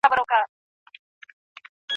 استاد د څيړني پرمختګ ولي ارزوي؟